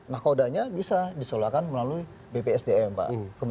nakodanya bisa disolakan melalui bpsdm pak